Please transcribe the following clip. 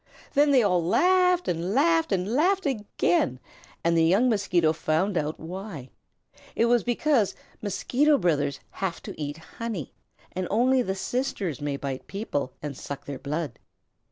Then they all laughed and laughed and laughed again, and the young Mosquito found out why. It was because Mosquito brothers have to eat honey, and only the sisters may bite people and suck their blood.